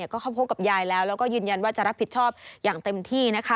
ก็เข้าพบกับยายแล้วแล้วก็ยืนยันว่าจะรับผิดชอบอย่างเต็มที่นะคะ